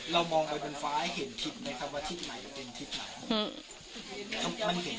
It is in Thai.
เรามองไปบนฟ้าให้เห็นทิศไหมครับว่าทิศไหนเป็นทิศไหน